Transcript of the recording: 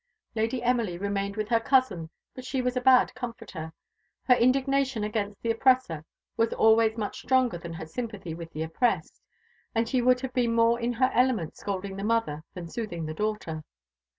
Lady Emily remained with her cousin, but she was a bad comforter. Her indignation against the oppressor was always much stronger than her sympathy with the oppressed; and she would have been more in her element scolding the mother than soothing the daughter.